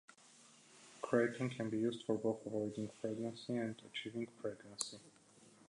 Creighton can be used for both avoiding pregnancy and achieving pregnancy.